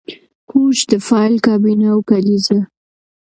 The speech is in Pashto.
کوچ د فایل کابینه او کلیزه